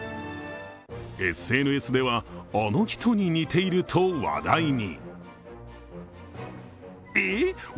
ＳＮＳでは、あの人に似ていると話題に。